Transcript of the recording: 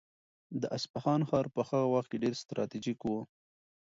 د اصفهان ښار په هغه وخت کې ډېر ستراتیژیک و.